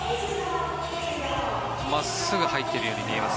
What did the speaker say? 真っすぐ入っているように見えます。